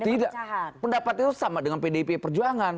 tidak pendapat itu sama dengan pdip perjuangan